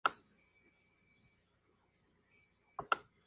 El primero tiene una órbita más corta y el segundo una más amplia.